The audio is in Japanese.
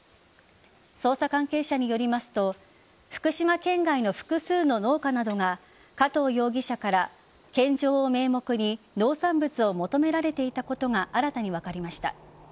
捜査関係者によりますと福島県外の複数の農家などが加藤容疑者から献上を名目に農産物を求められていたことが新たに分かりました。